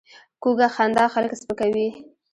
کوږه خندا خلک سپکوي